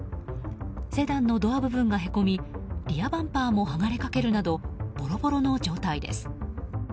セダンのドア部分がへこみリアバンパーも剥がれかかるなどボロボロの状態です。